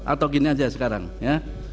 atau gini aja sekarang ya